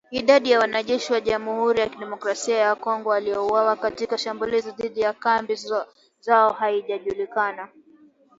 Idadi ya wanajeshi wa Jamhuri ya Kidemokrasia ya Kongo waliouawa katika shambulizi dhidi ya kambi zao haijajulikana